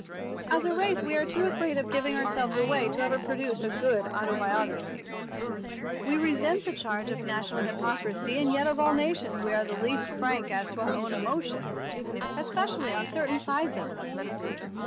As a race we are too afraid of giving ourselves away ever to produce a good autobiography. We resent the charge of national hypocrisy, and yet of all nations we are the least frank as to our own emotions—especially on certain sides of them.